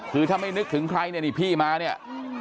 คือถ้าไม่นึกถึงใครเนี่ยนี่พี่มาเนี่ย